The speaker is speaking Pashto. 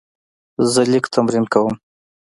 زه لیک تمرین کوم.